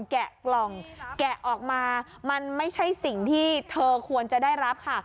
แกะกล่องแกะออกมามันไม่ใช่สิ่งที่เธอควรจะได้รับค่ะ